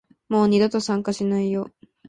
もう二度と参加しないよ